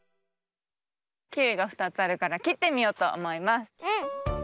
キウイが２つあるからきってみようとおもいます。